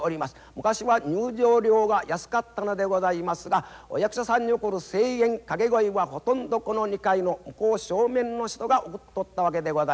昔は入場料が安かったのでございますがお役者さんに送る声援掛け声はほとんどこの２階の向こう正面の人が送っとったわけでございます。